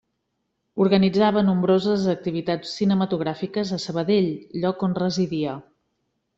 Organitzava nombroses activitats cinematogràfiques a Sabadell, lloc on residia.